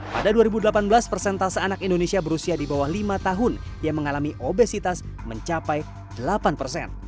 pada dua ribu delapan belas persentase anak indonesia berusia di bawah lima tahun yang mengalami obesitas mencapai delapan persen